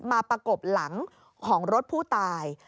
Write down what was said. ประกบหลังของรถผู้ตาย